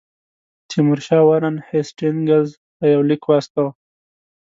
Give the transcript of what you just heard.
تیمورشاه وارن هیسټینګز ته یو لیک واستاوه.